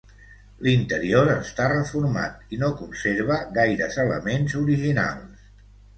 L'interior està reformat i no conserva gaires elements originals.